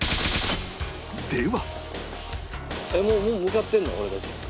では